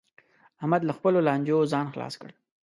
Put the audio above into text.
احمد له خپلو لانجو ځان خلاص کړ